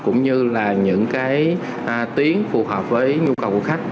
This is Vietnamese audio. cũng như những tuyến phù hợp với nhu cầu của khách